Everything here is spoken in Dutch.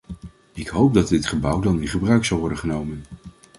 Ik hoop dat dit gebouw dan in gebruik zal worden genomen.